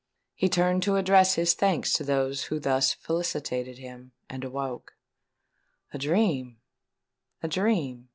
He turned to address his thanks to those who thus felicitated him—and awoke! "A dream—a dream!"